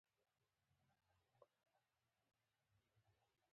مه راځه زما پر خوا ما ورته په سر.